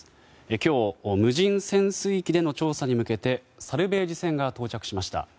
今日、無人潜水機での捜査に向けてサルベージ船が到着しました。